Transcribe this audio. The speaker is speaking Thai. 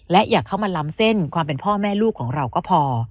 และอย่าเข้ามาล้ำเส้นความเป็นพ่อแม่ลูกของเราก็พอ